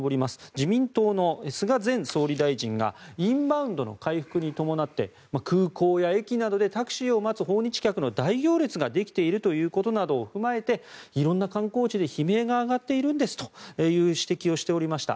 自民党の菅前総理大臣がインバウンドの回復に伴って空港や駅などでタクシーを待つ訪日客の大行列ができているということなどを踏まえて色んな観光地で悲鳴が上がっているんですという指摘をしておりました。